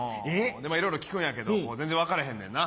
でいろいろ聞くんやけど全然分かれへんねんな。